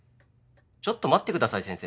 ちょっと待ってください先生。